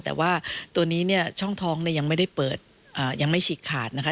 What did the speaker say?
แต่ว่าตัวนี้เนี่ยช่องท้องเนี่ยยังไม่ได้เปิดยังไม่ฉีกขาดนะคะ